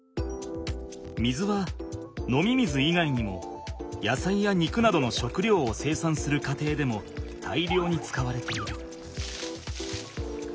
水は飲み水以外にもやさいや肉などの食料を生産する過程でも大量に使われている。